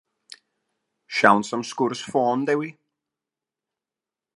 Siawns am sgwrs ffôn, Dewi?